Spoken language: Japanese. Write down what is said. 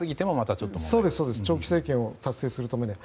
長期政権を達成するために。